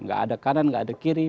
nggak ada kanan nggak ada kiri